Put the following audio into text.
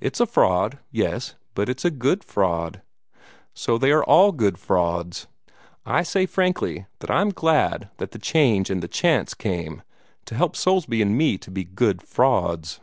It's a fraud, yes; but it's a good fraud. So they are all good frauds. I say frankly that I'm glad that the change and the chance came to help Soulsby and me to be good frauds."